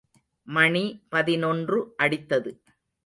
மணி பதினொன்று அடித்தது.